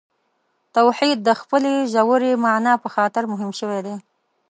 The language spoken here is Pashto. توحید د خپلې ژورې معنا په خاطر مهم شوی دی.